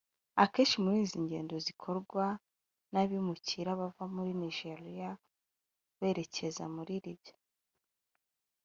Akenshi muri izi ngendo zikorwa n’abimukira bava muri Niger berekeza muri Libya